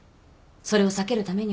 それを避けるためにも。